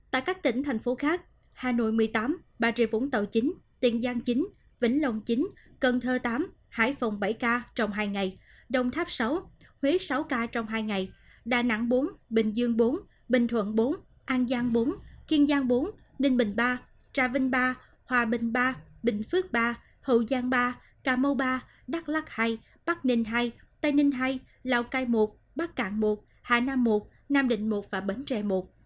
tại các tỉnh thành phố khác hà nội một mươi tám bà rịa vũng tàu chín tiền giang chín vĩnh long chín cần thơ tám hải phòng bảy ca trong hai ngày đồng tháp sáu huế sáu ca trong hai ngày đà nẵng bốn bình dương bốn bình thuận bốn an giang bốn kiên giang bốn ninh bình ba trà vinh ba hòa bình ba bình phước ba hậu giang ba cà mau ba đắk lắc hai bắc ninh hai tây ninh hai lào cai một bắc cạn một hà nam một nam định một và bến tre một